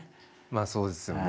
まあそうですよね。